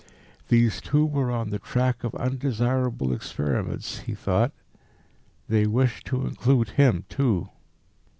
These two were on the track of undesirable experiments, he thought.... They wished to include him too.